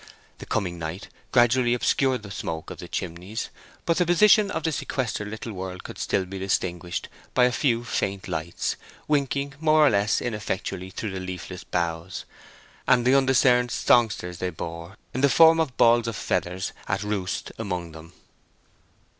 The coming night gradually obscured the smoke of the chimneys, but the position of the sequestered little world could still be distinguished by a few faint lights, winking more or less ineffectually through the leafless boughs, and the undiscerned songsters they bore, in the form of balls of feathers, at roost among them.